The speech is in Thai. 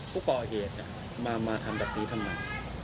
ผู้ก่อเหตุมาทำแบบนี้ทำไม